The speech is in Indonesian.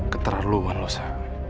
keterluan lo sa